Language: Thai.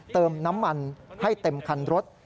เติมน้ำมันให้เต็มคันรถ